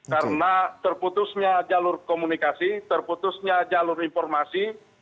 karena terputusnya jalur komunikasi terputusnya jalur informasi